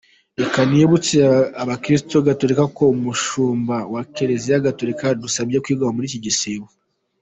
Reka nibutse abakristu gatorika ko umushumba wa Kiriziya Gatorika yadusabye kwigomwa muri iki gisibo.